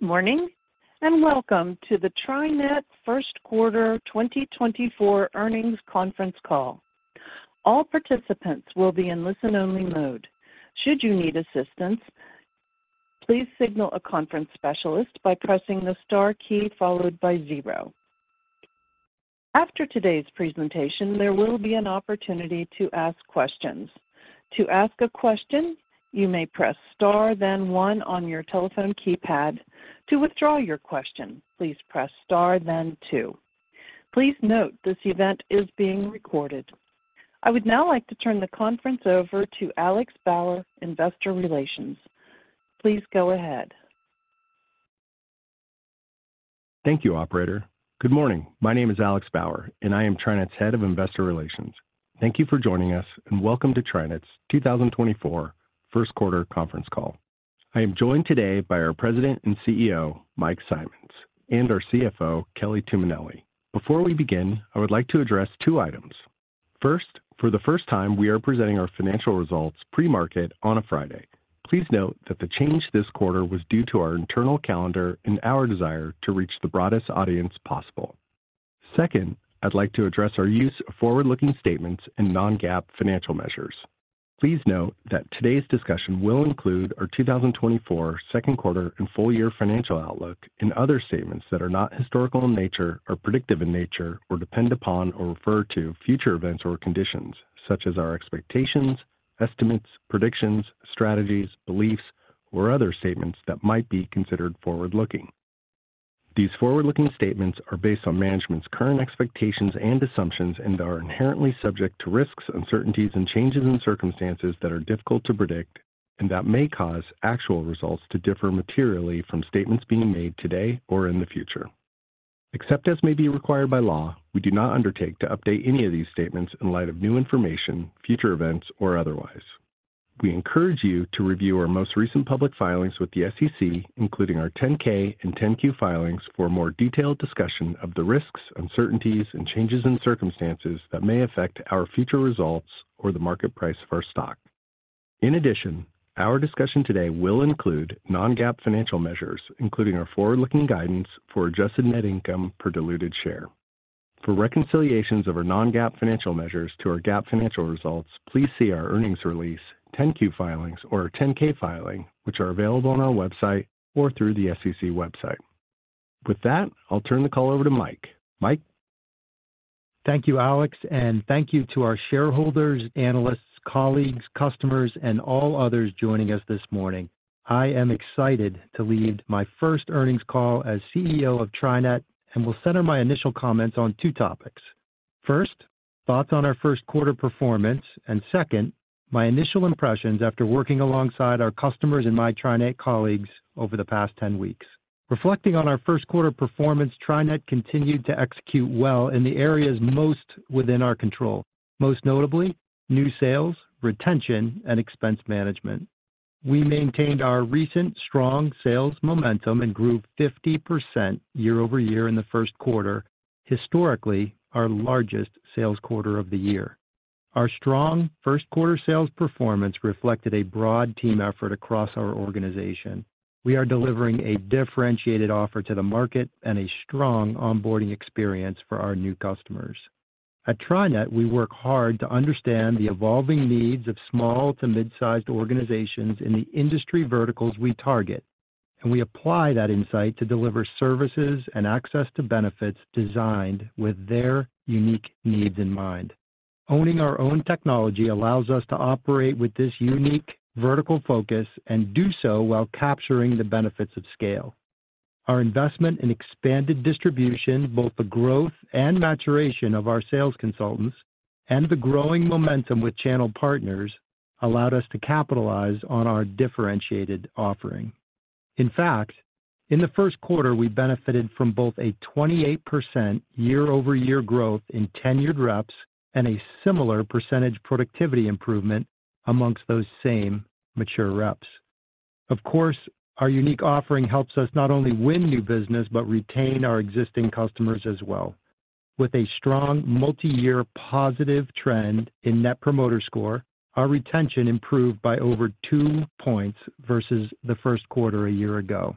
Good morning, and welcome to the TriNet First Quarter 2024 Earnings Conference Call. All participants will be in listen-only mode. Should you need assistance, please signal a conference specialist by pressing the star key followed by 0. After today's presentation, there will be an opportunity to ask questions. To ask a question, you may press Star then 1 on your telephone keypad. To withdraw your question, please press Star then 2. Please note, this event is being recorded. I would now like to turn the conference over to Alex Bauer, Investor Relations. Please go ahead. Thank you, operator. Good morning. My name is Alex Bauer, and I am TriNet's Head of Investor Relations. Thank you for joining us, and welcome to TriNet's 2024 first quarter conference call. I am joined today by our President and CEO, Mike Simonds, and our CFO, Kelly Tuminelli. Before we begin, I would like to address two items. First, for the first time, we are presenting our financial results pre-market on a Friday. Please note that the change this quarter was due to our internal calendar and our desire to reach the broadest audience possible. Second, I'd like to address our use of forward-looking statements and non-GAAP financial measures. Please note that today's discussion will include our 2024 second quarter and full year financial outlook and other statements that are not historical in nature or predictive in nature or depend upon or refer to future events or conditions, such as our expectations, estimates, predictions, strategies, beliefs, or other statements that might be considered forward-looking. These forward-looking statements are based on management's current expectations and assumptions and are inherently subject to risks, uncertainties, and changes in circumstances that are difficult to predict and that may cause actual results to differ materially from statements being made today or in the future. Except as may be required by law, we do not undertake to update any of these statements in light of new information, future events, or otherwise. We encourage you to review our most recent public filings with the SEC, including our 10-K and 10-Q filings, for a more detailed discussion of the risks, uncertainties, and changes in circumstances that may affect our future results or the market price of our stock. In addition, our discussion today will include non-GAAP financial measures, including our forward-looking guidance for adjusted net income per diluted share. For reconciliations of our non-GAAP financial measures to our GAAP financial results, please see our earnings release, 10-Q filings, or our 10-K filing, which are available on our website or through the SEC website. With that, I'll turn the call over to Mike. Mike? Thank you, Alex, and thank you to our shareholders, analysts, colleagues, customers, and all others joining us this morning. I am excited to lead my first earnings call as CEO of TriNet, and will center my initial comments on two topics. First, thoughts on our first quarter performance, and second, my initial impressions after working alongside our customers and my TriNet colleagues over the past 10 weeks. Reflecting on our first quarter performance, TriNet continued to execute well in the areas most within our control, most notably new sales, retention, and expense management. We maintained our recent strong sales momentum and grew 50% year-over-year in the first quarter, historically, our largest sales quarter of the year. Our strong first quarter sales performance reflected a broad team effort across our organization. We are delivering a differentiated offer to the market and a strong onboarding experience for our new customers. At TriNet, we work hard to understand the evolving needs of small to mid-sized organizations in the industry verticals we target, and we apply that insight to deliver services and access to benefits designed with their unique needs in mind. Owning our own technology allows us to operate with this unique vertical focus and do so while capturing the benefits of scale. Our investment in expanded distribution, both the growth and maturation of our sales consultants and the growing momentum with channel partners, allowed us to capitalize on our differentiated offering. In fact, in the first quarter, we benefited from both a 28% year-over-year growth in tenured reps and a similar percentage productivity improvement amongst those same mature reps. Of course, our unique offering helps us not only win new business, but retain our existing customers as well. With a strong multi-year positive trend in Net Promoter Score, our retention improved by over two points versus the first quarter a year ago.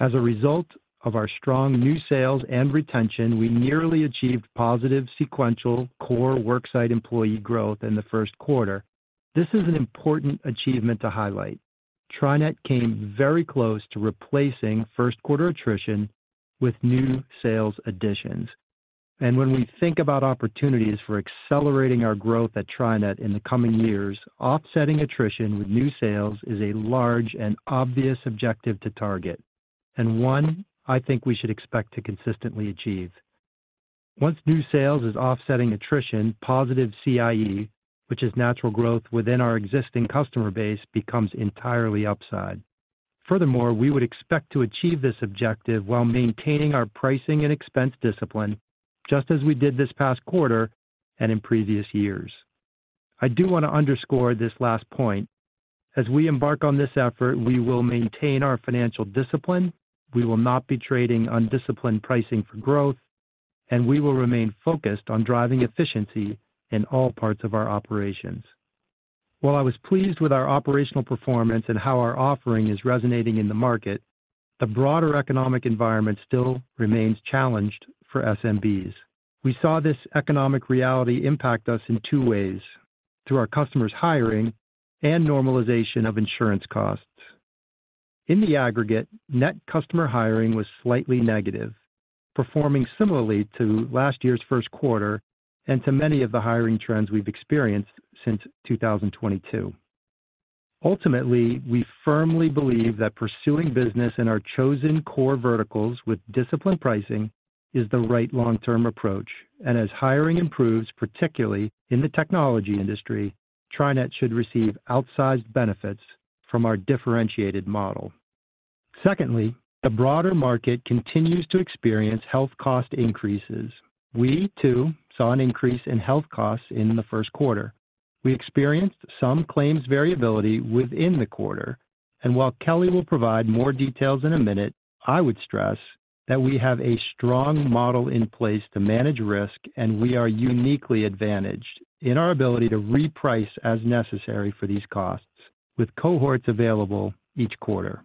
As a result of our strong new sales and retention, we nearly achieved positive sequential core worksite employee growth in the first quarter. This is an important achievement to highlight. TriNet came very close to replacing first quarter attrition with new sales additions. And when we think about opportunities for accelerating our growth at TriNet in the coming years, offsetting attrition with new sales is a large and obvious objective to target, and one I think we should expect to consistently achieve. Once new sales is offsetting attrition, positive CIE, which is natural growth within our existing customer base, becomes entirely upside. Furthermore, we would expect to achieve this objective while maintaining our pricing and expense discipline, just as we did this past quarter and in previous years. I do want to underscore this last point. As we embark on this effort, we will maintain our financial discipline. We will not be trading undisciplined pricing for growth, and we will remain focused on driving efficiency in all parts of our operations. While I was pleased with our operational performance and how our offering is resonating in the market, the broader economic environment still remains challenged for SMBs. We saw this economic reality impact us in two ways: through our customers' hiring and normalization of insurance costs. In the aggregate, net customer hiring was slightly negative, performing similarly to last year's first quarter and to many of the hiring trends we've experienced since 2022. Ultimately, we firmly believe that pursuing business in our chosen core verticals with disciplined pricing is the right long-term approach, and as hiring improves, particularly in the technology industry, TriNet should receive outsized benefits from our differentiated model. Secondly, the broader market continues to experience health cost increases. We, too, saw an increase in health costs in the first quarter. We experienced some claims variability within the quarter, and while Kelly will provide more details in a minute, I would stress that we have a strong model in place to manage risk, and we are uniquely advantaged in our ability to reprice as necessary for these costs, with cohorts available each quarter.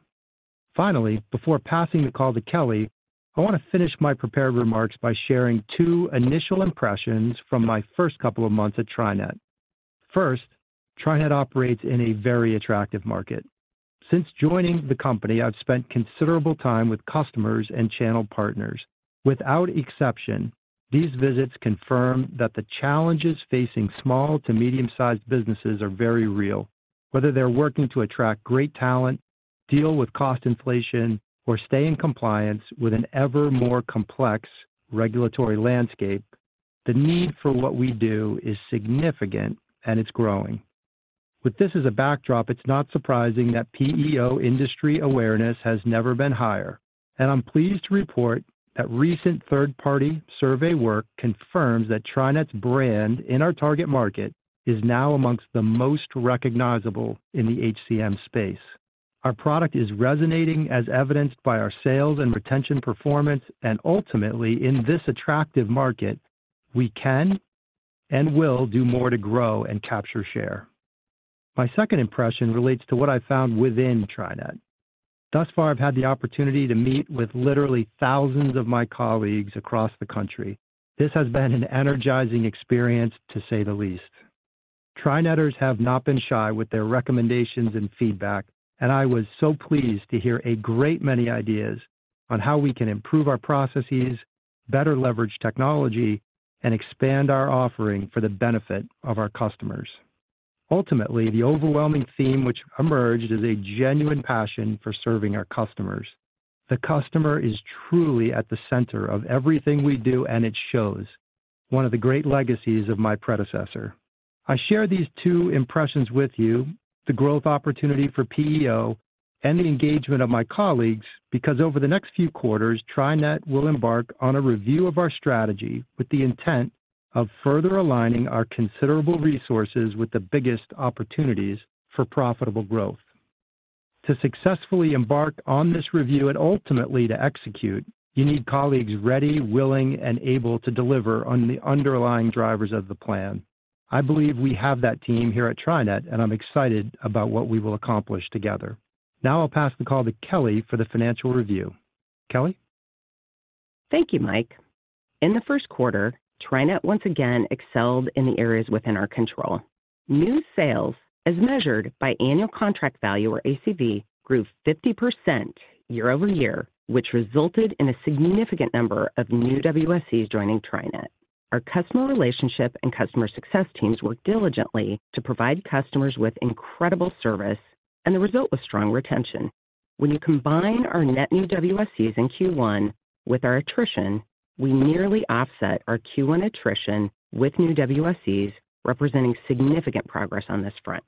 Finally, before passing the call to Kelly, I want to finish my prepared remarks by sharing two initial impressions from my first couple of months at TriNet. First, TriNet operates in a very attractive market. Since joining the company, I've spent considerable time with customers and channel partners. Without exception, these visits confirm that the challenges facing small- to medium-sized businesses are very real. Whether they're working to attract great talent, deal with cost inflation, or stay in compliance with an ever more complex regulatory landscape, the need for what we do is significant, and it's growing. With this as a backdrop, it's not surprising that PEO industry awareness has never been higher, and I'm pleased to report that recent third-party survey work confirms that TriNet's brand in our target market is now amongst the most recognizable in the HCM space. Our product is resonating, as evidenced by our sales and retention performance, and ultimately, in this attractive market, we can and will do more to grow and capture share. My second impression relates to what I found within TriNet. Thus far, I've had the opportunity to meet with literally thousands of my colleagues across the country. This has been an energizing experience, to say the least. TriNetters have not been shy with their recommendations and feedback, and I was so pleased to hear a great many ideas on how we can improve our processes, better leverage technology, and expand our offering for the benefit of our customers. Ultimately, the overwhelming theme which emerged is a genuine passion for serving our customers. The customer is truly at the center of everything we do, and it shows one of the great legacies of my predecessor. I share these two impressions with you, the growth opportunity for PEO and the engagement of my colleagues, because over the next few quarters, TriNet will embark on a review of our strategy with the intent of further aligning our considerable resources with the biggest opportunities for profitable growth. To successfully embark on this review and ultimately to execute, you need colleagues ready, willing, and able to deliver on the underlying drivers of the plan. I believe we have that team here at TriNet, and I'm excited about what we will accomplish together. Now I'll pass the call to Kelly for the financial review. Kelly? Thank you, Mike. In the first quarter, TriNet once again excelled in the areas within our control. New sales, as measured by annual contract value or ACV, grew 50% year-over-year, which resulted in a significant number of new WSEs joining TriNet. Our customer relationship and customer success teams worked diligently to provide customers with incredible service and the result was strong retention. When you combine our net new WSEs in Q1 with our attrition, we nearly offset our Q1 attrition with new WSEs, representing significant progress on this front.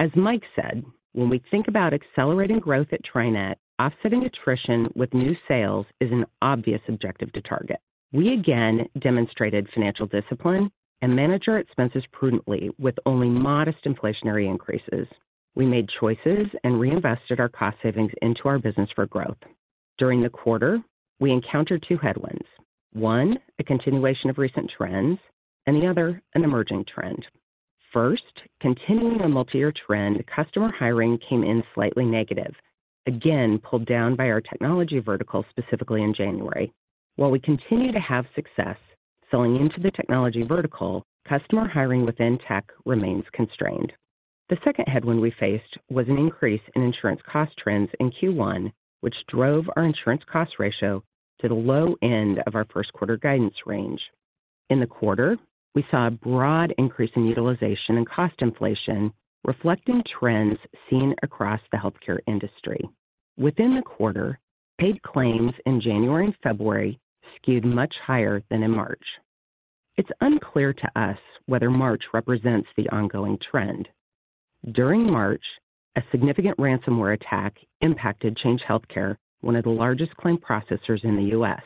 As Mike said, when we think about accelerating growth at TriNet, offsetting attrition with new sales is an obvious objective to target. We again demonstrated financial discipline and managed our expenses prudently with only modest inflationary increases. We made choices and reinvested our cost savings into our business for growth. During the quarter, we encountered two headwinds: one, a continuation of recent trends and the other, an emerging trend. First, continuing a multi-year trend, customer hiring came in slightly negative, again, pulled down by our technology vertical, specifically in January. While we continue to have success selling into the technology vertical, customer hiring within tech remains constrained. The second headwind we faced was an increase in insurance cost trends in Q1, which drove our Insurance Cost Ratio to the low end of our first quarter guidance range. In the quarter, we saw a broad increase in utilization and cost inflation, reflecting trends seen across the healthcare industry. Within the quarter, paid claims in January and February skewed much higher than in March. It's unclear to us whether March represents the ongoing trend. During March, a significant ransomware attack impacted Change Healthcare, one of the largest claim processors in the U.S.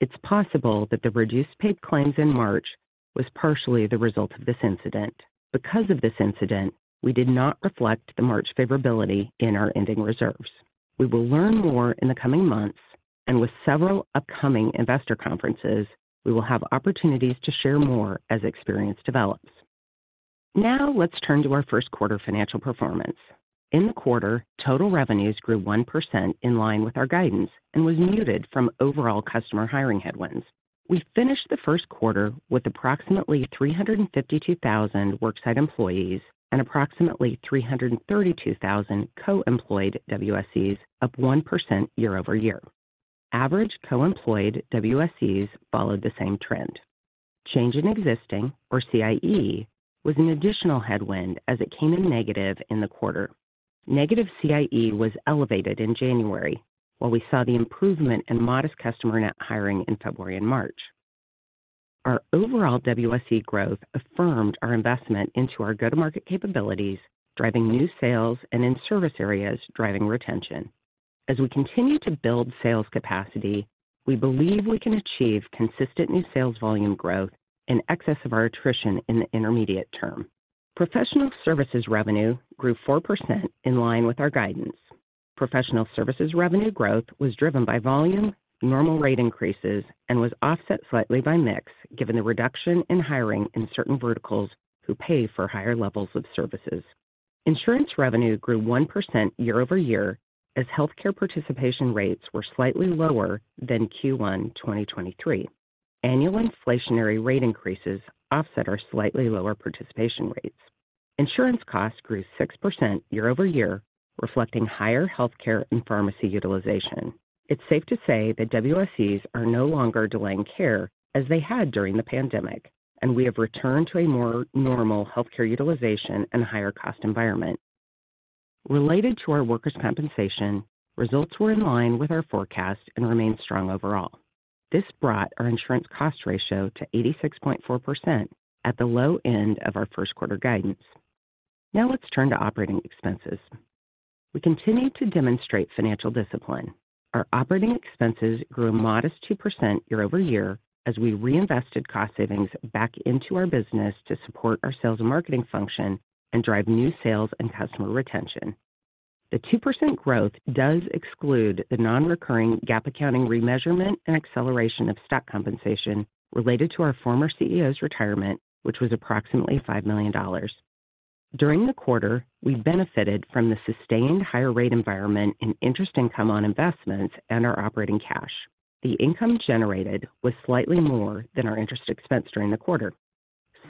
It's possible that the reduced paid claims in March was partially the result of this incident. Because of this incident, we did not reflect the March favorability in our ending reserves... We will learn more in the coming months, and with several upcoming investor conferences, we will have opportunities to share more as experience develops. Now let's turn to our first quarter financial performance. In the quarter, total revenues grew 1% in line with our guidance and was muted from overall customer hiring headwinds. We finished the first quarter with approximately 352,000 worksite employees and approximately 332,000 co-employed WSEs, up 1% year-over-year. Average co-employed WSEs followed the same trend. Change in Existing, or CIE, was an additional headwind as it came in negative in the quarter. Negative CIE was elevated in January, while we saw the improvement in modest customer net hiring in February and March. Our overall WSE growth affirmed our investment into our go-to-market capabilities, driving new sales and in service areas, driving retention. As we continue to build sales capacity, we believe we can achieve consistent new sales volume growth in excess of our attrition in the intermediate term. Professional services revenue grew 4% in line with our guidance. Professional services revenue growth was driven by volume, normal rate increases, and was offset slightly by mix, given the reduction in hiring in certain verticals who pay for higher levels of services. Insurance revenue grew 1% year-over-year as healthcare participation rates were slightly lower than Q1 2023. Annual inflationary rate increases offset our slightly lower participation rates. Insurance costs grew 6% year-over-year, reflecting higher healthcare and pharmacy utilization. It's safe to say that WSEs are no longer delaying care as they had during the pandemic, and we have returned to a more normal healthcare utilization and higher cost environment. Related to our workers' compensation, results were in line with our forecast and remained strong overall. This brought our insurance cost ratio to 86.4% at the low end of our first quarter guidance. Now let's turn to operating expenses. We continued to demonstrate financial discipline. Our operating expenses grew a modest 2% year-over-year as we reinvested cost savings back into our business to support our sales and marketing function and drive new sales and customer retention. The 2% growth does exclude the non-recurring GAAP accounting remeasurement and acceleration of stock compensation related to our former CEO's retirement, which was approximately $5 million. During the quarter, we benefited from the sustained higher rate environment in interest income on investments and our operating cash. The income generated was slightly more than our interest expense during the quarter.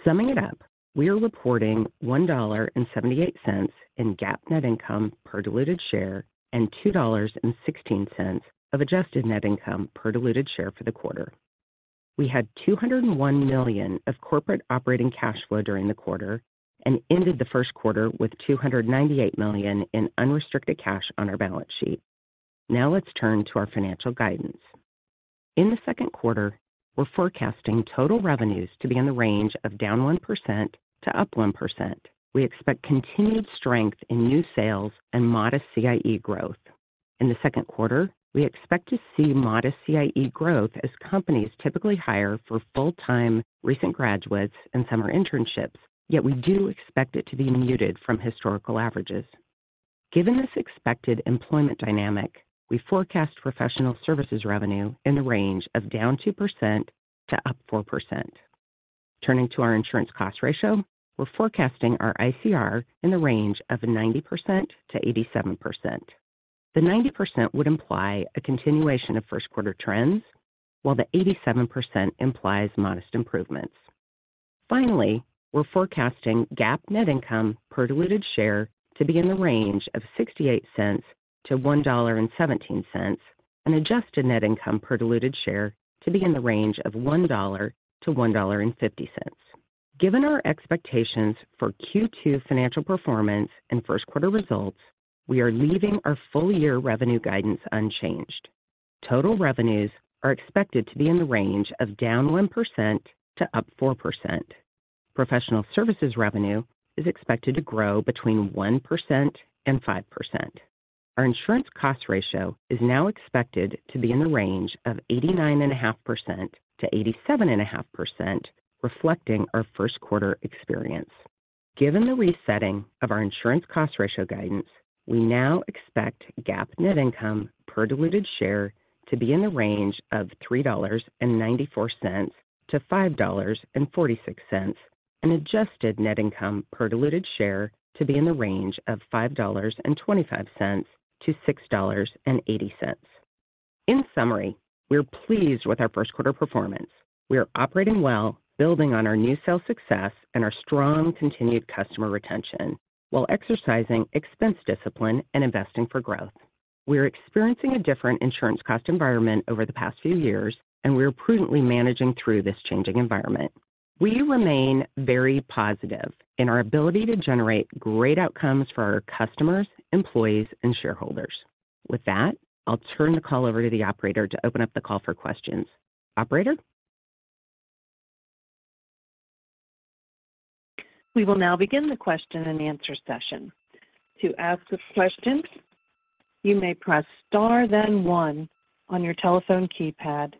Summing it up, we are reporting $1.78 in GAAP net income per diluted share and $2.16 of adjusted net income per diluted share for the quarter. We had $201 million of corporate operating cash flow during the quarter and ended the first quarter with $298 million in unrestricted cash on our balance sheet. Now let's turn to our financial guidance. In the second quarter, we're forecasting total revenues to be in the range of -1% to +1%. We expect continued strength in new sales and modest CIE growth. In the second quarter, we expect to see modest CIE growth as companies typically hire for full-time recent graduates and summer internships, yet we do expect it to be muted from historical averages. Given this expected employment dynamic, we forecast professional services revenue in the range of -2% to +4%. Turning to our insurance cost ratio, we're forecasting our ICR in the range of 90% to 87%. The 90% would imply a continuation of first quarter trends, while the 87% implies modest improvements. Finally, we're forecasting GAAP net income per diluted share to be in the range of $0.68-$1.17, and adjusted net income per diluted share to be in the range of $1.00-$1.50. Given our expectations for Q2 financial performance and first quarter results, we are leaving our full year revenue guidance unchanged. Total revenues are expected to be in the range of -1% to +4%. Professional services revenue is expected to grow between 1% and 5%. Our Insurance Cost Ratio is now expected to be in the range of 89.5%-87.5%, reflecting our first quarter experience. Given the resetting of our insurance cost ratio guidance, we now expect GAAP net income per diluted share to be in the range of $3.94-$5.46, and adjusted net income per diluted share to be in the range of $5.25-$6.80. In summary, we're pleased with our first quarter performance. We are operating well, building on our new sales success and our strong continued customer retention while exercising expense discipline and investing for growth. We are experiencing a different insurance cost environment over the past few years, and we are prudently managing through this changing environment. We remain very positive in our ability to generate great outcomes for our customers, employees, and shareholders. With that, I'll turn the call over to the operator to open up the call for questions. Operator? We will now begin the question and answer session. To ask a question, you may press Star, then one on your telephone keypad.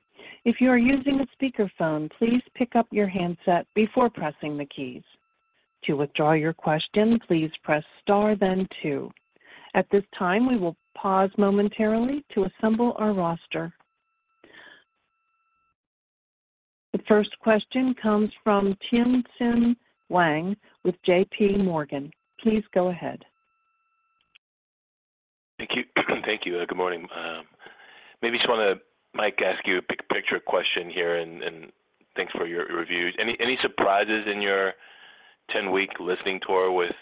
If you are using a speakerphone, please pick up your handset before pressing the keys.... To withdraw your question, please press Star then Two. At this time, we will pause momentarily to assemble our roster. The first question comes from Tien-tsin Huang with J.P. Morgan. Please go ahead. Thank you. Thank you, and good morning. Maybe just want to, Mike, ask you a big picture question here, and thanks for your reviews. Any surprises in your 10-week listening tour with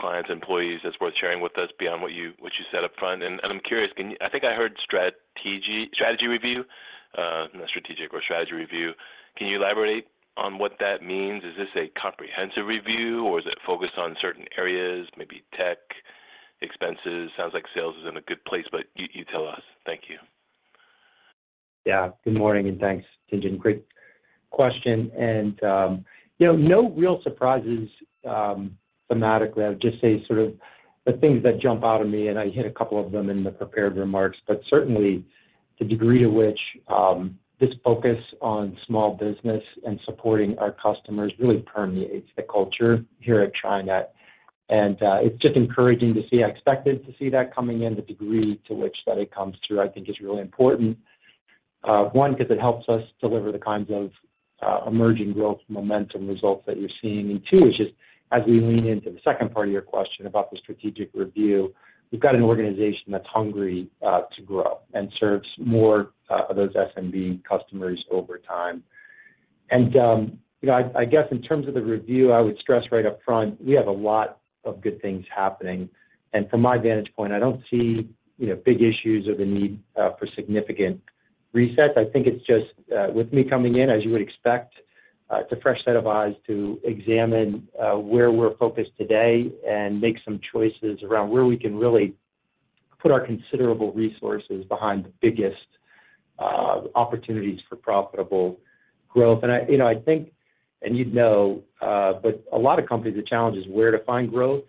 clients, employees, that's worth sharing with us beyond what you said up front? And I'm curious, can you—I think I heard strategy, strategy review, not strategic or strategy review. Can you elaborate on what that means? Is this a comprehensive review, or is it focused on certain areas, maybe tech, expenses? Sounds like sales is in a good place, but you tell us. Thank you. Yeah. Good morning, and thanks, Tien-tsin. Great question. And you know, no real surprises, thematically. I would just say sort of the things that jump out at me, and I hit a couple of them in the prepared remarks, but certainly the degree to which this focus on small business and supporting our customers really permeates the culture here at TriNet. And it's just encouraging to see. I expected to see that coming in. The degree to which that it comes through, I think is really important. One, because it helps us deliver the kinds of emerging growth momentum results that you're seeing. And two, it's just as we lean into the second part of your question about the strategic review, we've got an organization that's hungry to grow and serves more of those SMB customers over time. You know, I guess in terms of the review, I would stress right up front, we have a lot of good things happening. From my vantage point, I don't see, you know, big issues or the need for significant reset. I think it's just with me coming in, as you would expect, it's a fresh set of eyes to examine where we're focused today and make some choices around where we can really put our considerable resources behind the biggest opportunities for profitable growth. I... You know, I think, and you'd know, but a lot of companies, the challenge is where to find growth.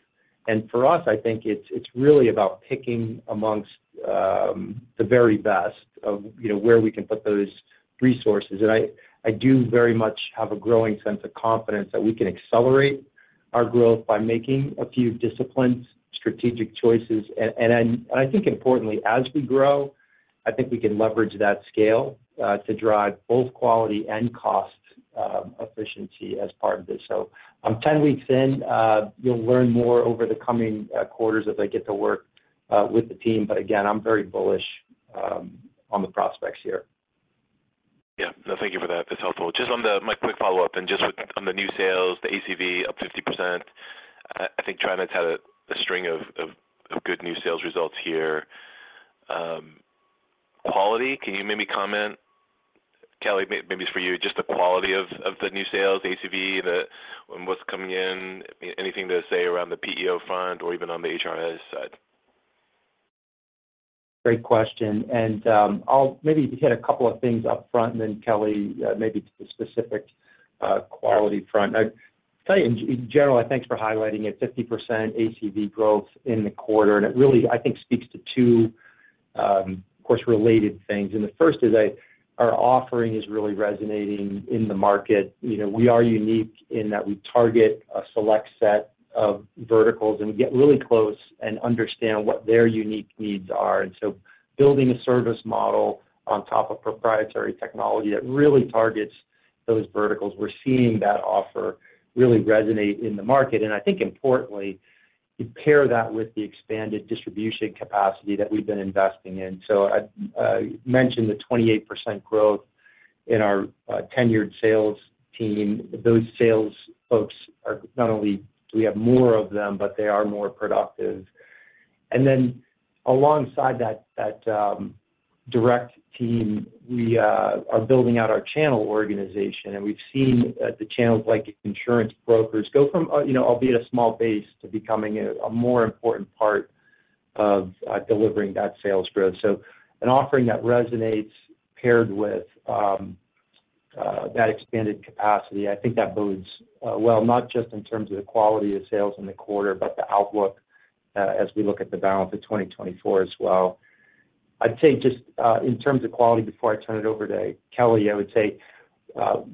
For us, I think it's really about picking amongst the very best of, you know, where we can put those resources. I do very much have a growing sense of confidence that we can accelerate our growth by making a few disciplined, strategic choices. I think importantly, as we grow, I think we can leverage that scale to drive both quality and cost efficiency as part of this. I'm 10 weeks in. You'll learn more over the coming quarters as I get to work with the team, but again, I'm very bullish on the prospects here. Yeah. No, thank you for that. That's helpful. Just on the, Mike, quick follow-up, and just with, on the new sales, the ACV up 50%. I think TriNet's had a string of good new sales results here. Quality, can you maybe comment? Kelly, maybe it's for you, just the quality of the new sales, ACV, the what's coming in. Anything to say around the PEO front or even on the HRIS side? Great question, and I'll maybe hit a couple of things up front, and then, Kelly, maybe to the specific quality front. I'd tell you in general, thanks for highlighting it, 50% ACV growth in the quarter, and it really, I think, speaks to two, of course, related things. And the first is that our offering is really resonating in the market. You know, we are unique in that we target a select set of verticals, and we get really close and understand what their unique needs are. And so building a service model on top of proprietary technology that really targets those verticals, we're seeing that offer really resonate in the market. And I think importantly, you pair that with the expanded distribution capacity that we've been investing in. So I mentioned the 28% growth in our tenured sales team. Those sales folks are... Not only do we have more of them, but they are more productive. And then alongside that, that direct team, we are building out our channel organization, and we've seen the channels like insurance brokers go from a, you know, albeit a small base, to becoming a more important part of delivering that sales growth. So an offering that resonates paired with that expanded capacity, I think that bodes well, not just in terms of the quality of sales in the quarter, but the outlook as we look at the balance of 2024 as well. I'd say just in terms of quality, before I turn it over to Kelly, I would say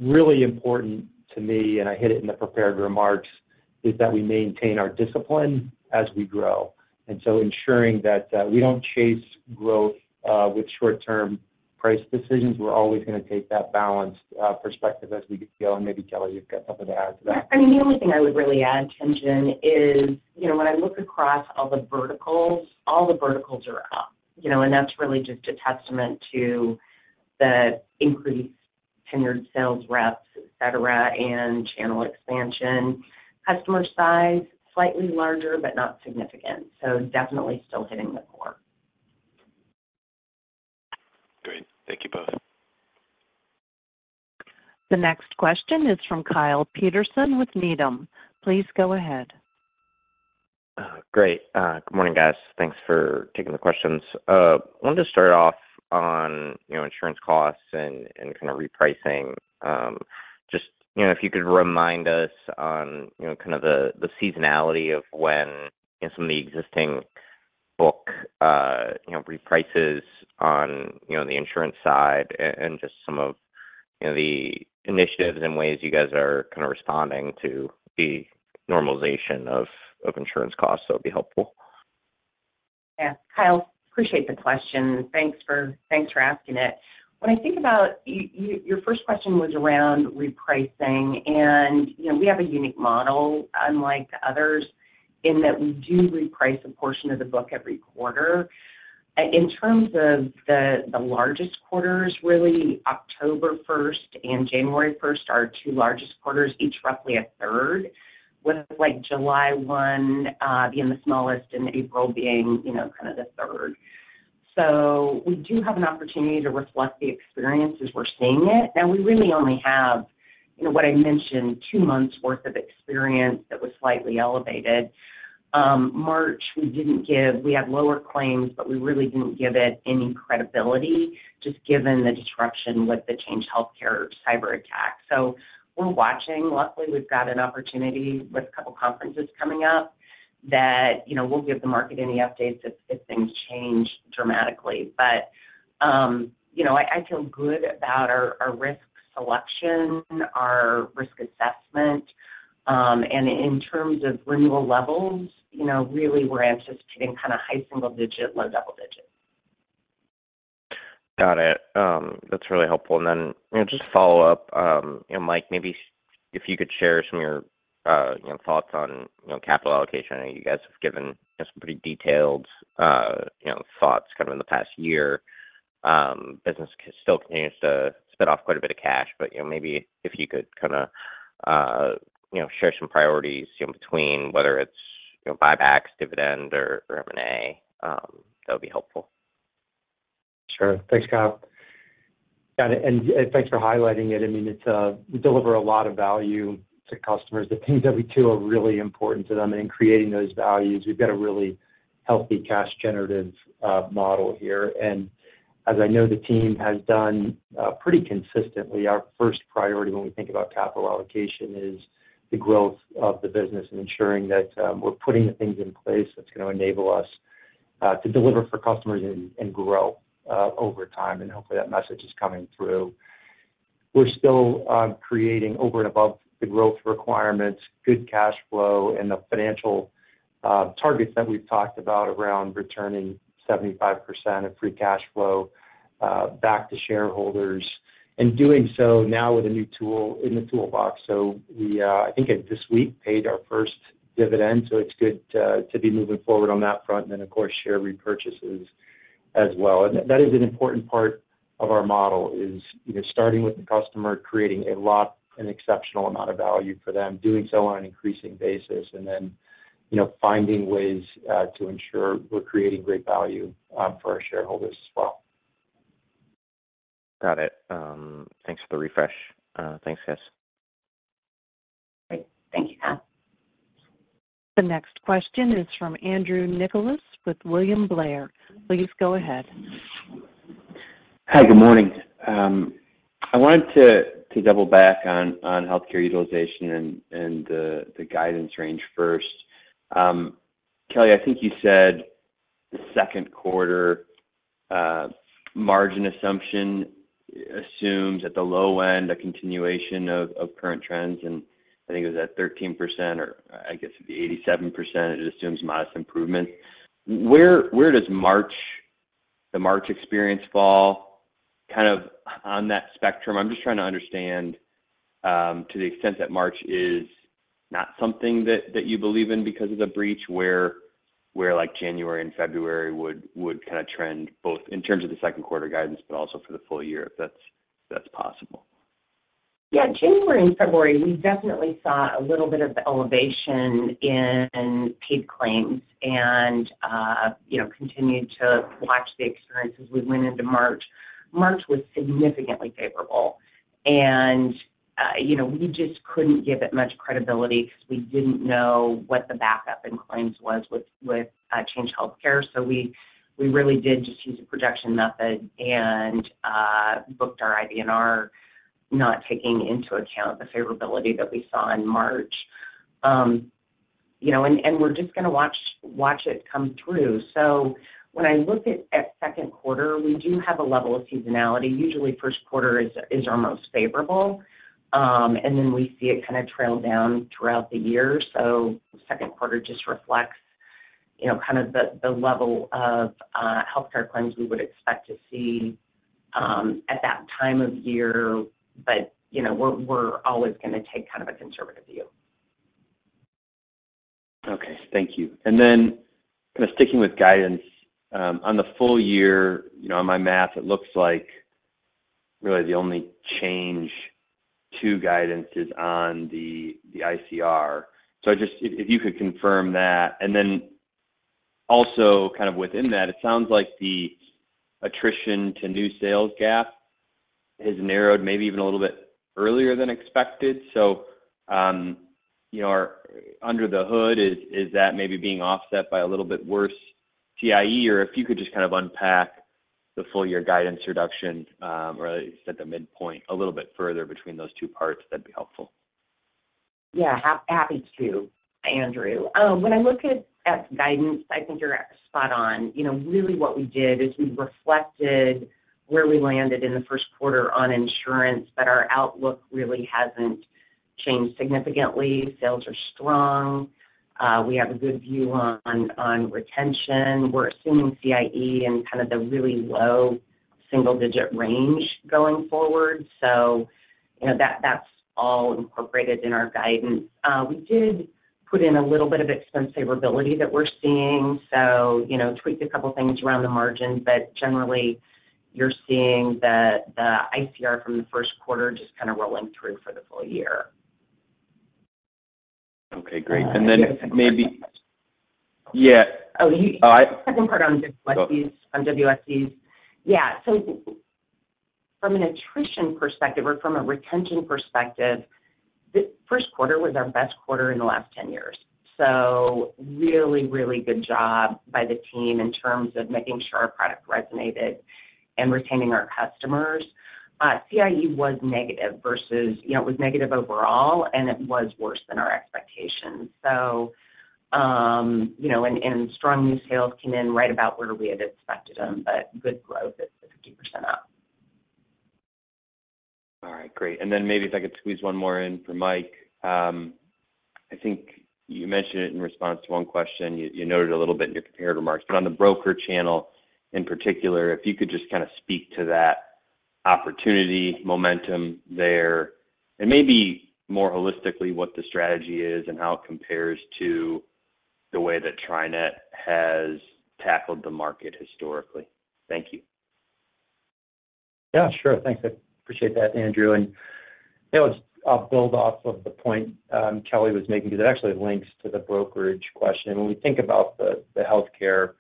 really important to me, and I hit it in the prepared remarks, is that we maintain our discipline as we grow. Ensuring that we don't chase growth with short-term price decisions, we're always gonna take that balanced perspective as we go. Maybe, Kelly, you've got something to add to that. I mean, the only thing I would really add, Tien-tsin, is, you know, when I look across all the verticals, all the verticals are up. You know, and that's really just a testament to the increased tenured sales reps, et cetera, and channel expansion. Customer size, slightly larger, but not significant, so definitely still hitting the core. Great. Thank you both. The next question is from Kyle Peterson with Needham. Please go ahead. Great. Good morning, guys. Thanks for taking the questions. Wanted to start off on, you know, insurance costs and kind of repricing. Just, you know, if you could remind us on, you know, kind of the seasonality of when, you know, some of the existing book, you know, reprices on, you know, the insurance side and just some of, you know, the initiatives and ways you guys are kind of responding to the normalization of insurance costs, so it'd be helpful. Yeah. Kyle, appreciate the question. Thanks for, thanks for asking it. When I think about your first question was around repricing, and, you know, we have a unique model, unlike others, in that we do reprice a portion of the book every quarter. In terms of the largest quarters, really, October 1st and January 1st are our two largest quarters, each roughly a third, with, like, July 1 being the smallest and April being, you know, kind of the third. So we do have an opportunity to reflect the experience as we're seeing it, and we really only have, you know, what I mentioned, two months' worth of experience that was slightly elevated. March, we didn't give... We had lower claims, but we really didn't give it any credibility, just given the disruption with the Change Healthcare cyberattack. So we're watching. Luckily, we've got an opportunity with a couple of conferences coming up that, you know, we'll give the market any updates if things change dramatically. But, you know, I feel good about our risk selection, our risk assessment. And in terms of renewal levels, you know, really, we're anticipating kind of high single digit, low double digit. Got it. That's really helpful. And then, you know, just to follow up, you know, Mike, maybe if you could share some of your, you know, thoughts on, you know, capital allocation. I know you guys have given, you know, some pretty detailed, you know, thoughts kind of in the past year. Business still continues to spit off quite a bit of cash, but, you know, maybe if you could kind of, you know, share some priorities, you know, between whether it's, you know, buybacks, dividend, or M&A, that would be helpful. Sure. Thanks, Kyle. Got it, and thanks for highlighting it. I mean, it, we deliver a lot of value to customers. The things that we do are really important to them, and in creating those values, we've got a really healthy cash generative model here. And as I know, the team has done pretty consistently, our first priority when we think about capital allocation is the growth of the business and ensuring that we're putting the things in place that's going to enable us to deliver for customers and grow over time, and hopefully, that message is coming through. We're still creating over and above the growth requirements, good cash flow, and the financial targets that we've talked about around returning 75% of free cash flow back to shareholders, and doing so now with a new tool in the toolbox. So we, I think, this week paid our first dividend, so it's good to be moving forward on that front, and then, of course, share repurchases as well. That is an important part of our model, you know, starting with the customer, creating a lot, an exceptional amount of value for them, doing so on an increasing basis, and then, you know, finding ways to ensure we're creating great value for our shareholders as well. Got it. Thanks for the refresh. Thanks, guys. Great. Thank you, Kyle. The next question is from Andrew Nicholas with William Blair. Please go ahead. Hi, good morning. I wanted to double back on healthcare utilization and the guidance range first. Kelly, I think you said the second quarter margin assumption assumes at the low end, a continuation of current trends, and I think it was at 13%, or I guess it'd be 87%, it assumes modest improvement. Where does March, the March experience fall kind of on that spectrum? I'm just trying to understand, to the extent that March is not something that you believe in because of the breach, where, like January and February would kind of trend, both in terms of the second quarter guidance, but also for the full year, if that's possible. Yeah. January and February, we definitely saw a little bit of elevation in paid claims and, you know, continued to watch the experiences. We went into March. March was significantly favorable, and, you know, we just couldn't give it much credibility because we didn't know what the backup in claims was with Change Healthcare. So we really did just use a projection method and booked our IBNR, not taking into account the favorability that we saw in March. You know, and we're just gonna watch it come through. So when I look at second quarter, we do have a level of seasonality. Usually, first quarter is our most favorable, and then we see it kind of trail down throughout the year. So second quarter just reflects, you know, kind of the level of healthcare claims we would expect to see at that time of year, but, you know, we're always gonna take kind of a conservative view. Okay. Thank you. And then kind of sticking with guidance, on the full year, you know, on my math, it looks like really the only change to guidance is on the ICR. So just if you could confirm that, and then also kind of within that, it sounds like the attrition to new sales gap has narrowed maybe even a little bit earlier than expected. So, you know, under the hood, is that maybe being offset by a little bit worse CIE? Or if you could just kind of unpack the full year guidance reduction, or set the midpoint a little bit further between those two parts, that'd be helpful.... Yeah, happy to, Andrew. When I look at guidance, I think you're spot on. You know, really what we did is we reflected where we landed in the first quarter on insurance, but our outlook really hasn't changed significantly. Sales are strong, we have a good view on retention. We're assuming CIE in kind of the really low double-digit range going forward. So, you know, that's all incorporated in our guidance. We did put in a little bit of expense favorability that we're seeing, so, you know, tweaked a couple of things around the margins. But generally, you're seeing the ICR from the first quarter just kind of rolling through for the full year. Okay, great. And then maybe. Yeah. Second part on WSEs, on WSEs. Yeah. So from an attrition perspective or from a retention perspective, the first quarter was our best quarter in the last 10 years. So really, really good job by the team in terms of making sure our product resonated and retaining our customers. CIE was negative versus, you know, it was negative overall, and it was worse than our expectations. So, you know, and, and strong new sales came in right about where we had expected them, but good growth at 50% up. All right, great. And then maybe if I could squeeze one more in for Mike. I think you mentioned it in response to one question, you noted a little bit in your prepared remarks, but on the broker channel in particular, if you could just kind of speak to that opportunity, momentum there, and maybe more holistically, what the strategy is and how it compares to the way that TriNet has tackled the market historically. Thank you. Yeah, sure. Thanks. I appreciate that, Andrew. And, you know, just I'll build off of the point Kelly was making, because it actually links to the brokerage question. When we think about the healthcare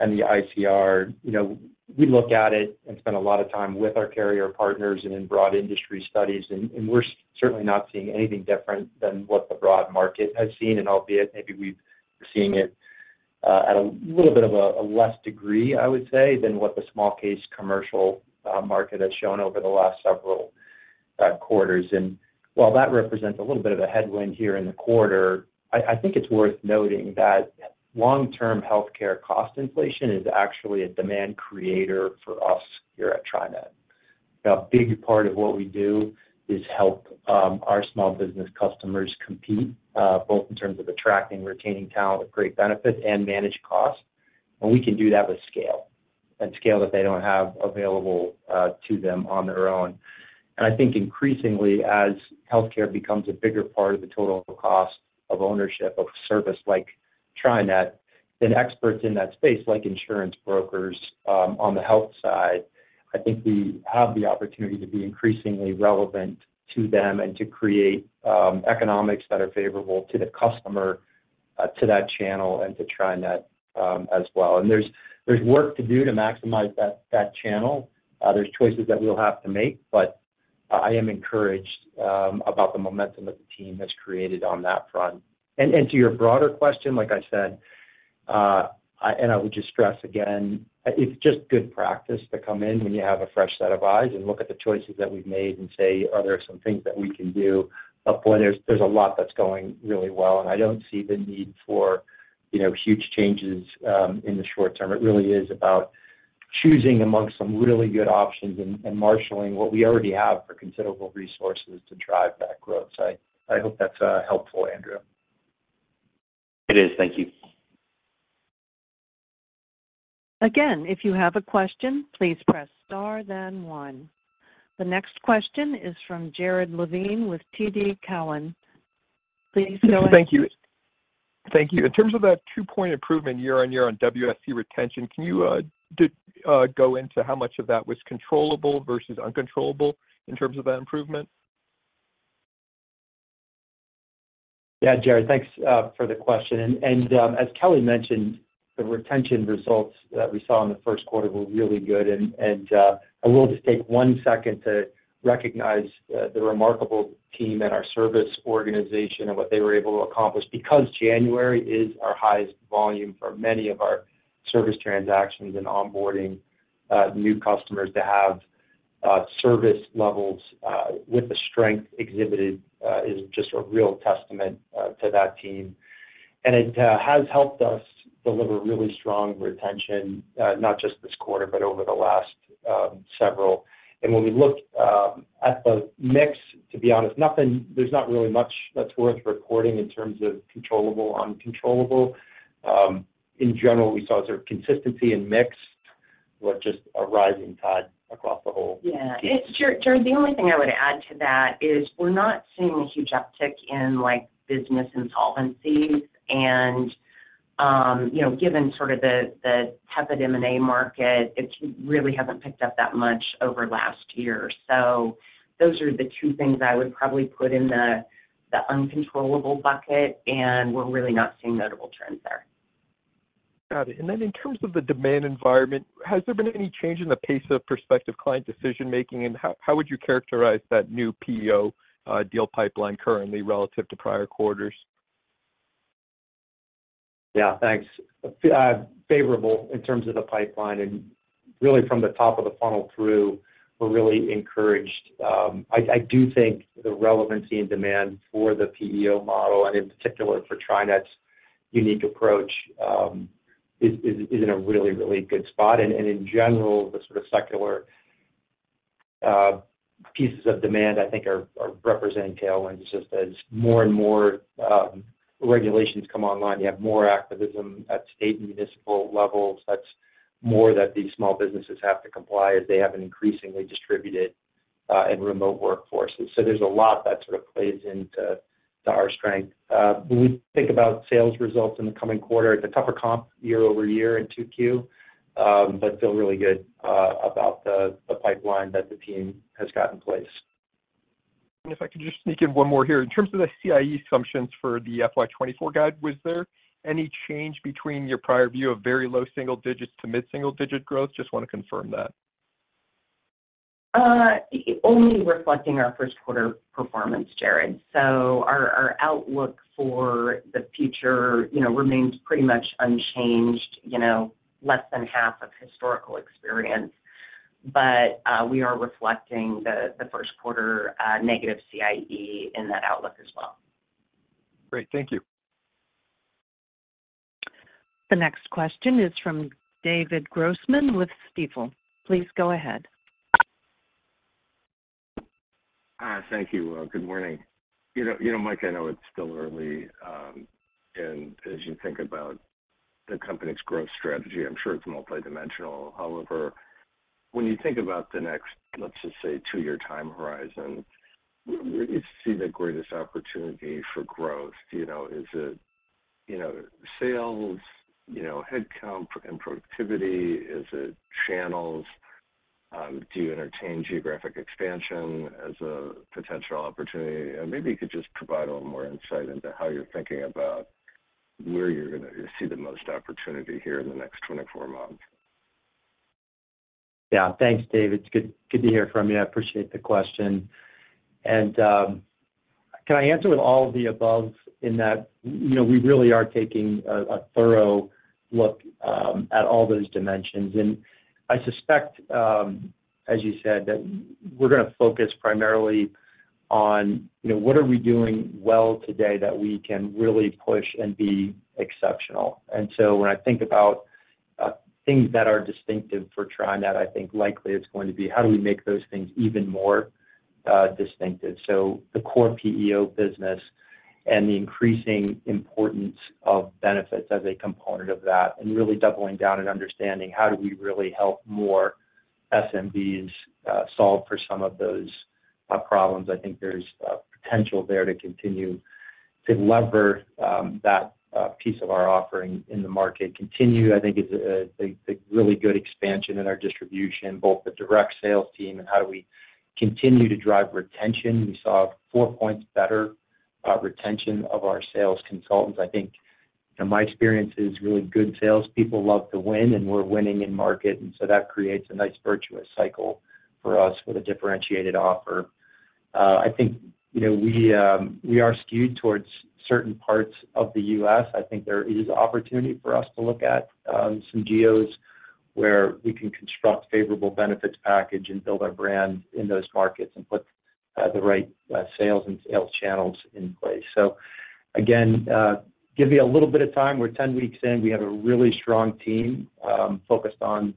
and the ICR, you know, we look at it and spend a lot of time with our carrier partners and in broad industry studies, and we're certainly not seeing anything different than what the broad market has seen. And albeit maybe we're seeing it at a little bit of a less degree, I would say, than what the small case commercial market has shown over the last several quarters. And while that represents a little bit of a headwind here in the quarter, I think it's worth noting that long-term healthcare cost inflation is actually a demand creator for us here at TriNet. A big part of what we do is help our small business customers compete, both in terms of attracting, retaining talent with great benefits and managed costs. We can do that with scale, and scale that they don't have available to them on their own. I think increasingly, as healthcare becomes a bigger part of the total cost of ownership of a service like TriNet, then experts in that space, like insurance brokers on the health side, I think we have the opportunity to be increasingly relevant to them and to create economics that are favorable to the customer to that channel and to TriNet as well. There's work to do to maximize that channel. There's choices that we'll have to make, but I am encouraged about the momentum that the team has created on that front. To your broader question, like I said, and I would just stress again, it's just good practice to come in when you have a fresh set of eyes and look at the choices that we've made and say, "Are there some things that we can do?" But boy, there's a lot that's going really well, and I don't see the need for, you know, huge changes in the short term. It really is about choosing amongst some really good options and marshaling what we already have for considerable resources to drive that growth. So I hope that's helpful, Andrew. It is. Thank you. Again, if you have a question, please press Star then One. The next question is from Jared Levine with TD Cowen. Please go ahead. Thank you. Thank you. In terms of that 2-point improvement year-on-year on WSE retention, can you go into how much of that was controllable versus uncontrollable in terms of that improvement? Yeah, Jared, thanks for the question. And as Kelly mentioned, the retention results that we saw in the first quarter were really good, and I will just take one second to recognize the remarkable team at our service organization and what they were able to accomplish. Because January is our highest volume for many of our service transactions and onboarding new customers to have service levels with the strength exhibited is just a real testament to that team. And it has helped us deliver really strong retention not just this quarter, but over the last several. And when we look at the mix, to be honest, nothing. There's not really much that's worth recording in terms of controllable, uncontrollable. In general, we saw sort of consistency in mix, with just a rising tide across the whole. Yeah, it's Jared, the only thing I would add to that is we're not seeing a huge uptick in, like, business insolvencies. And, you know, given sort of the tepid M&A market, it really haven't picked up that much over last year. So those are the two things I would probably put in the uncontrollable bucket, and we're really not seeing notable trends there. Got it. And then in terms of the demand environment, has there been any change in the pace of prospective client decision-making, and how would you characterize that new PEO deal pipeline currently relative to prior quarters?... Yeah, thanks. Favorable in terms of the pipeline, and really from the top of the funnel through, we're really encouraged. I do think the relevancy and demand for the PEO model, and in particular for TriNet's unique approach, is in a really, really good spot. And in general, the sort of secular pieces of demand I think are representing tailwinds. Just as more and more regulations come online, you have more activism at state and municipal levels. That's more that these small businesses have to comply as they have an increasingly distributed and remote workforce. So there's a lot that sort of plays into our strength. When we think about sales results in the coming quarter, it's a tougher comp year-over-year in 2Q, but feel really good about the pipeline that the team has got in place. If I could just sneak in one more here. In terms of the CIE assumptions for the FY 2024 guide, was there any change between your prior view of very low single digits to mid-single digit growth? Just want to confirm that. Only reflecting our first quarter performance, Jared. So our outlook for the future, you know, remains pretty much unchanged, you know, less than half of historical experience. But we are reflecting the first quarter negative CIE in that outlook as well. Great. Thank you. The next question is from David Grossman with Stifel. Please go ahead. Thank you. Well, good morning. You know, you know, Mike, I know it's still early, and as you think about the company's growth strategy, I'm sure it's multidimensional. However, when you think about the next, let's just say, 2-year time horizon, where do you see the greatest opportunity for growth? You know, is it, you know, sales, you know, headcount and productivity? Is it channels? Do you entertain geographic expansion as a potential opportunity? And maybe you could just provide a little more insight into how you're thinking about where you're gonna see the most opportunity here in the next 24 months. Yeah. Thanks, David. It's good, good to hear from you. I appreciate the question. And, can I answer with all of the above in that, you know, we really are taking a thorough look at all those dimensions. And I suspect, as you said, that we're gonna focus primarily on, you know, what are we doing well today that we can really push and be exceptional? And so when I think about things that are distinctive for TriNet, I think likely it's going to be: how do we make those things even more distinctive? So the core PEO business and the increasing importance of benefits as a component of that, and really doubling down and understanding how do we really help more SMBs solve for some of those problems. I think there's potential there to continue to leverage that piece of our offering in the market. Continue, I think is a really good expansion in our distribution, both the direct sales team and how do we continue to drive retention. We saw 4 points better retention of our sales consultants. I think, you know, my experience is really good salespeople love to win, and we're winning in market, and so that creates a nice virtuous cycle for us with a differentiated offer. I think, you know, we are skewed towards certain parts of the US. I think there is opportunity for us to look at some geos where we can construct favorable benefits package and build our brand in those markets and put the right sales and sales channels in place. So again, give me a little bit of time. We're 10 weeks in. We have a really strong team, focused on,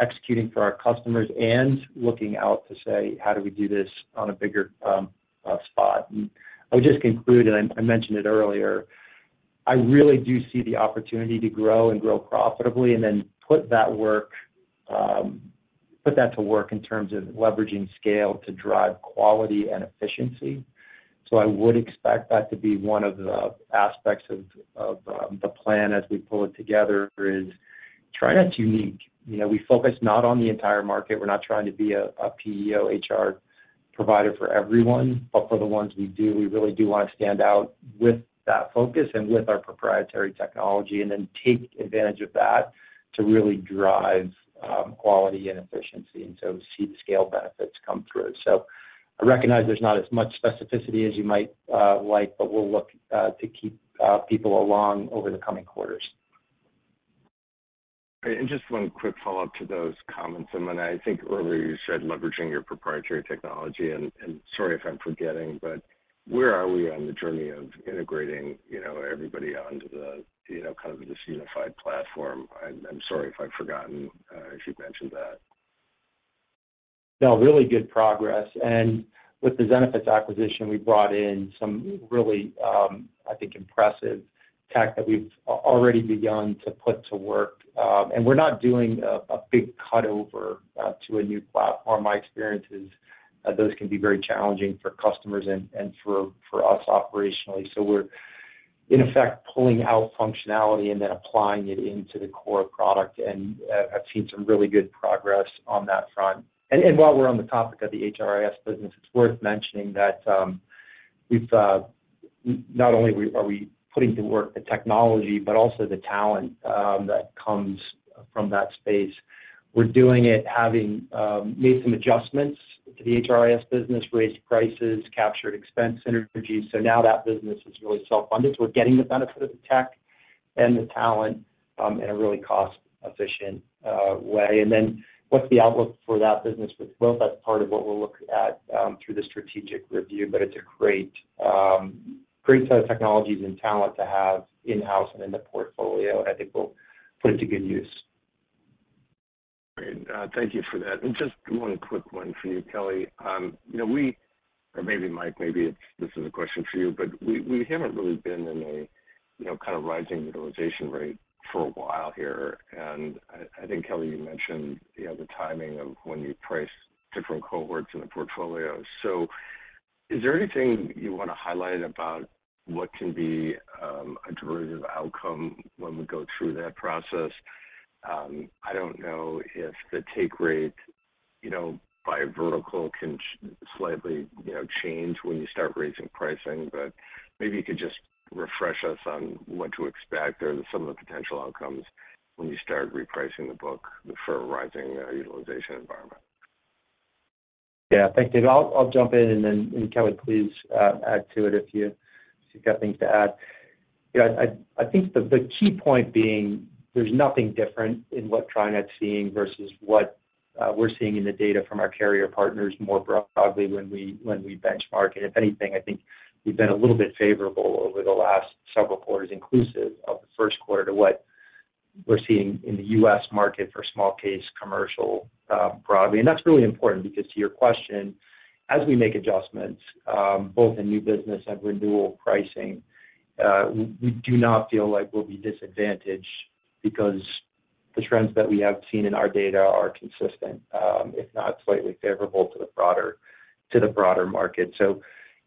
executing for our customers and looking out to say: How do we do this on a bigger scale? And I would just conclude, and I, I mentioned it earlier, I really do see the opportunity to grow and grow profitably and then put that work, put that to work in terms of leveraging scale to drive quality and efficiency. So I would expect that to be one of the aspects of, of, the plan as we pull it together, is TriNet's unique. You know, we focus not on the entire market. We're not trying to be a PEO HR provider for everyone, but for the ones we do, we really do want to stand out with that focus and with our proprietary technology, and then take advantage of that to really drive quality and efficiency, and so see the scale benefits come through. So I recognize there's not as much specificity as you might like, but we'll look to keep people along over the coming quarters. And just one quick follow-up to those comments. When I think earlier you said leveraging your proprietary technology, and sorry if I'm forgetting, but where are we on the journey of integrating, you know, everybody onto the, you know, kind of this unified platform? I'm sorry if I've forgotten if you've mentioned that. No, really good progress. And with the Zenefits acquisition, we brought in some really, I think, impressive tech that we've already begun to put to work. And we're not doing a big cut over to a new platform. My experience is, those can be very challenging for customers and for us operationally. So we're, in effect, pulling out functionality and then applying it into the core product, and I've seen some really good progress on that front. And while we're on the topic of the HRIS business, it's worth mentioning that, we've not only are we putting to work the technology, but also the talent that comes from that space. We're doing it having made some adjustments to the HRIS business, raised prices, captured expense synergies. So now that business is really self-funded. We're getting the benefit of the tech and the talent, in a really cost-efficient way. Then what's the outlook for that business with growth? That's part of what we'll look at, through the strategic review, but it's a great, great set of technologies and talent to have in-house and in the portfolio, and I think we'll put it to good use. Great. Thank you for that. And just one quick one for you, Kelly. You know, we or maybe Mike, maybe it's this is a question for you, but we haven't really been in a you know, kind of rising utilization rate for a while here. And I think, Kelly, you mentioned, you know, the timing of when you price different cohorts in the portfolio. So is there anything you wanna highlight about what can be a derivative outcome when we go through that process? I don't know if the take rate, you know, by vertical can slightly, you know, change when you start raising pricing, but maybe you could just refresh us on what to expect or some of the potential outcomes when you start repricing the book for a rising utilization environment. Yeah, thank you. I'll jump in, and then Kelly, please, add to it if you, if you've got things to add. You know, I think the key point being there's nothing different in what TriNet's seeing versus what we're seeing in the data from our carrier partners more broadly when we benchmark. And if anything, I think we've been a little bit favorable over the last several quarters, inclusive of the first quarter, to what we're seeing in the U.S. market for small case commercial broadly. And that's really important because to your question, as we make adjustments, both in new business and renewal pricing, we do not feel like we'll be disadvantaged because the trends that we have seen in our data are consistent, if not slightly favorable to the broader market. So,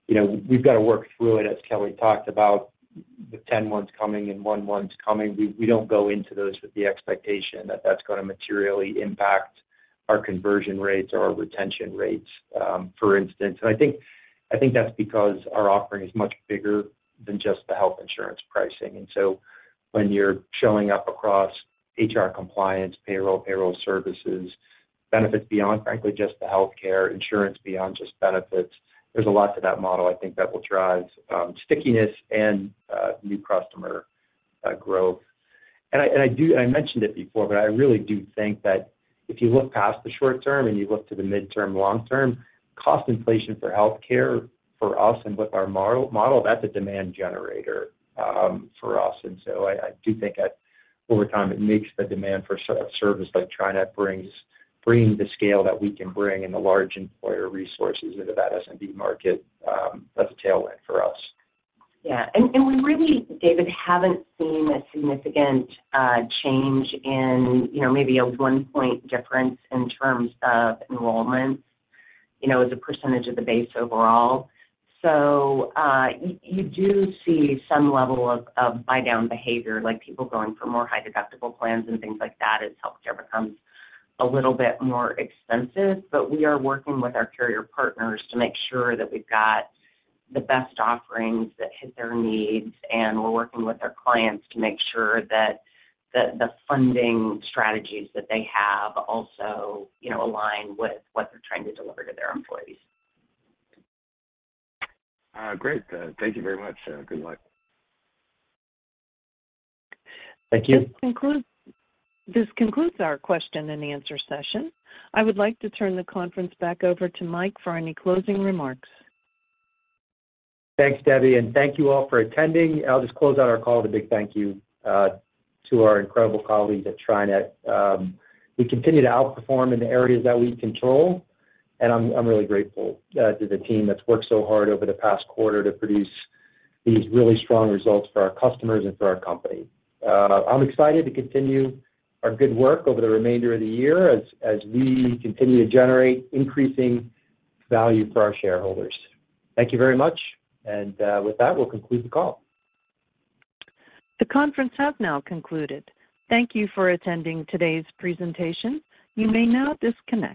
you know, we've got to work through it, as Kelly talked about, the 10/1s coming and 1/1s coming. We, we don't go into those with the expectation that that's gonna materially impact our conversion rates or our retention rates, for instance. And I think, I think that's because our offering is much bigger than just the health insurance pricing. And so when you're showing up across HR compliance, payroll, payroll services, benefits beyond, frankly, just the healthcare, insurance beyond just benefits, there's a lot to that model, I think, that will drive, stickiness and, new customer, growth. And I do, and I mentioned it before, but I really do think that if you look past the short term and you look to the midterm, long term, cost inflation for healthcare for us and with our margin model, that's a demand generator for us. And so I do think that over time, it makes the demand for such a service like TriNet brings, bringing the scale that we can bring and the large employer resources into that SMB market, that's a tailwind for us. Yeah. And we really, David, haven't seen a significant change in, you know, maybe a one-point difference in terms of enrollments, you know, as a percentage of the base overall. So, you do see some level of buy-down behavior, like people going for more high deductible plans and things like that as healthcare becomes a little bit more expensive. But we are working with our carrier partners to make sure that we've got the best offerings that hit their needs, and we're working with our clients to make sure that the funding strategies that they have also, you know, align with what they're trying to deliver to their employees. Great. Thank you very much. Good luck. Thank you. This concludes our question and answer session. I would like to turn the conference back over to Mike for any closing remarks. Thanks, Debbie, and thank you all for attending. I'll just close out our call with a big thank you to our incredible colleagues at TriNet. We continue to outperform in the areas that we control, and I'm really grateful to the team that's worked so hard over the past quarter to produce these really strong results for our customers and for our company. I'm excited to continue our good work over the remainder of the year as we continue to generate increasing value for our shareholders. Thank you very much, and with that, we'll conclude the call. The conference has now concluded. Thank you for attending today's presentation. You may now disconnect.